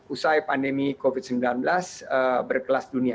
usai pandemi covid sembilan belas berkelas dunia